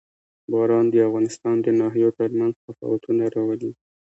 باران د افغانستان د ناحیو ترمنځ تفاوتونه راولي.